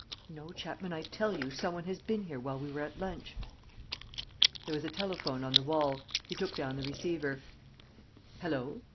No, Chapman, I tell you, some one has been here while we were at lunch." There was a telephone on the wall. He took down the receiver: "Hallo!